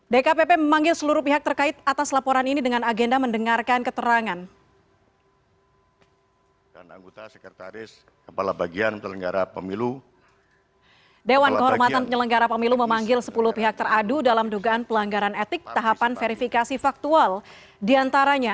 dkpp memanggil seluruh pihak terkait atas laporan ini dengan agenda mendengarkan keterangan